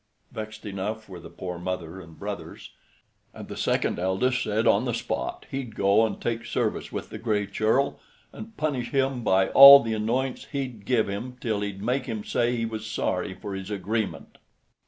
Vexed enough were the poor mother and brothers; and the second eldest said on the spot he'd go and take service with the Gray Churl, and punish him by all the annoyance he'd give him till he'd make him say he was sorry for his agreement.